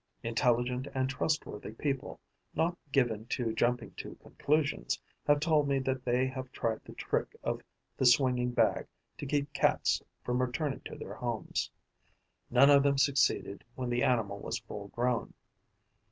Intelligent and trustworthy people, not given to jumping to conclusions, have told me that they have tried the trick of the swinging bag to keep Cats from returning to their homes. None of them succeeded when the animal was full grown.